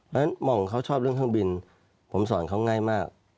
เพราะฉะนั้นมองเขาชอบเรื่องเครื่องบินผมสอนเขาง่ายมาก